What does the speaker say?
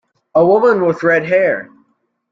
A woman with red hair!